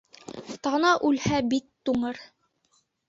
Тана үлһә, бит туңыр.